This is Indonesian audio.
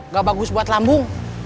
gak bagus buat lambung